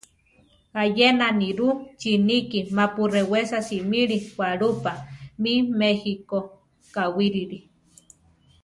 Ayena nirú chiníki mapu rewésa simili walúpa mí méjiko kawírili.